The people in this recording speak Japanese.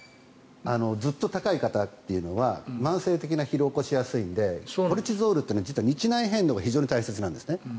ずっと高い方というのは慢性的な疲労を起こしやすいのでコルチゾールって日内変動が非常に大切なんですね。